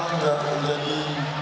cuman gak menjadi